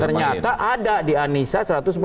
ternyata ada di anissa satu ratus empat puluh